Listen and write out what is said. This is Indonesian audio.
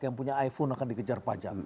yang punya iphone akan dikejar pajak